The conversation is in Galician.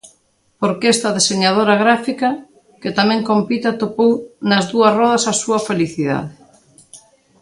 Porque esta deseñadora gráfica, que tamén compite, atopou nas dúas rodas a súa felicidade.